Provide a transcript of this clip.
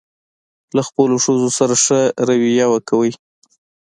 له خپلو ښځو سره ښه راویه وکوئ.